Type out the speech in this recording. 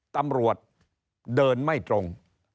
ตำรวจเดินไม่ตรง